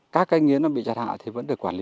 các cây nghiến bị chặt hạ thì vẫn được quản lý